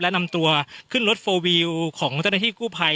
และนำตัวขึ้นรถโฟลวิวของเจ้าหน้าที่กู้ภัย